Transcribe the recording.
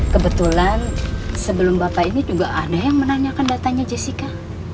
kebetulan sebelum bapak ini juga aneh menanyakan datanya jessica